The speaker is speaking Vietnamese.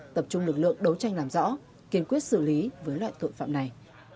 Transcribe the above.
tập trung lực lượng đấu tranh làm rõ kiên quyết xử lý với loại tội phạm này